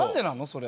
それ。